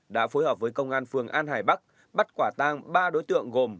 đã phối hợp với công an phường an hải bắc bắt quả tang ba đối tượng gồm